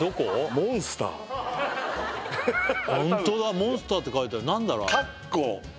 本当だ「モンスター」って書いてある何だろう？